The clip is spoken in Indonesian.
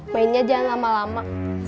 mainnya jangan lama lama